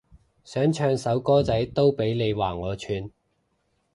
想唱首歌仔都俾你話我串